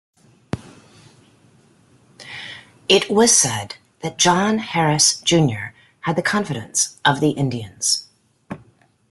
It was said that John Harris Junior had the confidence of the Indians.